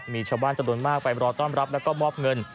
มีชาวบ้านจำนวนมากไปรอต้อนรับแล้วก็มอบเงิน